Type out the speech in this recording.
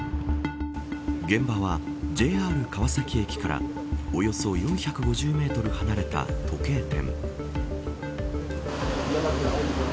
現場は、ＪＲ川崎駅からおよそ４５０メートル離れた時計店。